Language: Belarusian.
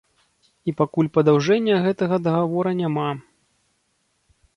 І пакуль падаўжэння гэтага дагавора няма.